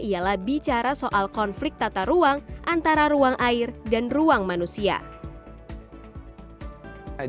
ialah bicara soal konflik tata ruang antara ruang air dan ruang manusia